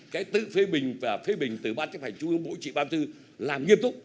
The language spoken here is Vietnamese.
cái tự phê bình và phê bình từ ban chấp hành trung ương bộ trị ban thư làm nghiêm túc